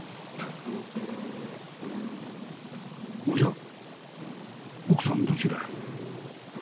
おや奥さんどちらへ？